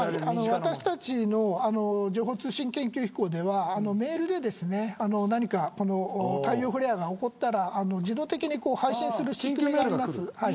私たちの情報通信研究機構ではメールで太陽フレアが起こったら自動的に配信する仕組みがあります。